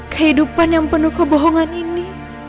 kehidupan yang penuh kebohongan ini